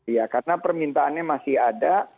ya karena permintaannya masih ada